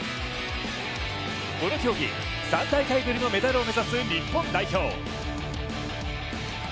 この競技、３大会ぶりのメダルを目指す日本代表。